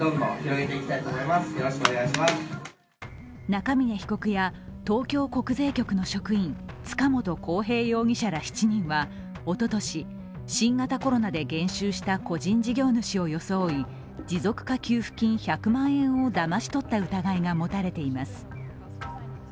中峯被告や東京国税局の職員、塚本晃平容疑者ら７人はおととし、新型コロナで減収した個人事業主を装い持続化給付金１００万円をだまし取った疑いが持たれています。